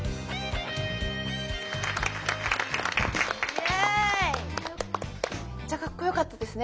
めっちゃかっこよかったですね。